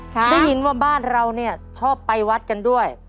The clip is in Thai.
ได้ยินว่าบ้านเราเนี่ยชอบไปวัดกันด้วย